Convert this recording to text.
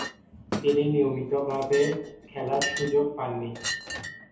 তিনি নিয়মিতভাবে খেলার সুযোগ পাননি।